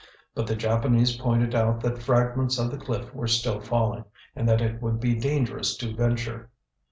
But the Japanese pointed out that fragments of the cliff were still falling, and that it would be dangerous to venture.